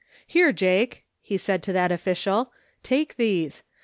" Here, Jake," he said to that official, " take these.